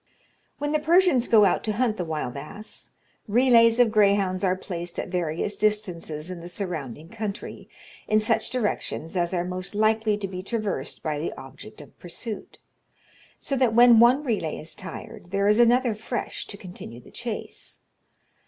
"When the Persians go out to hunt the wild ass, relays of greyhounds are placed at various distances in the surrounding country, in such directions as are most likely to be traversed by the object of pursuit; so that when one relay is tired, there is another fresh to continue the chase.